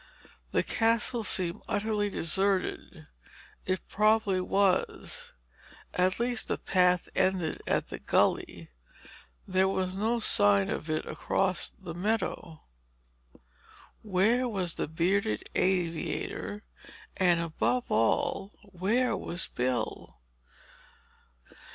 The Castle seemed utterly deserted. It probably was. At least the path ended at the gully; there was no sign of it across the meadow. Where was the bearded aviator—and above all, where was Bill?